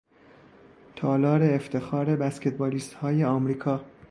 تالار افتخار بسکتبالیستهای امریکا